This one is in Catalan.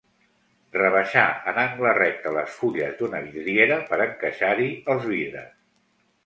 Rebaixar en angle recte les fulles d'una vidriera per encaixar-hi els vidres.